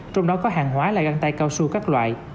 trong đó có hàng hóa là găng tay cao su các loại